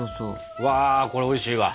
うわこれおいしいわ。